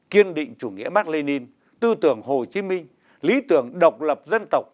kiên định chủ nghĩa bác lê ninh tư tưởng hồ chí minh lý tưởng độc lập dân tộc